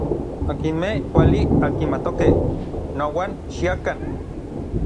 Akinmej kuali ankimatokej, nouan xiakan.